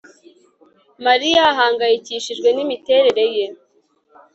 Mariya ahangayikishijwe nimiterere ye